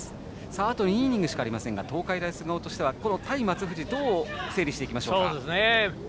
あと２イニングしかありませんが東海大菅生としてはこの対松藤どう整理しましょうか。